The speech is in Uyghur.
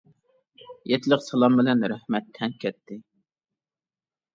ھېيتلىق سالام بىلەن رەھمەت تەڭ كەتتى.